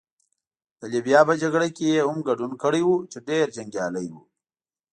د لیبیا په جګړه کې يې هم ګډون کړی وو، چې ډېر جنګیالی وو.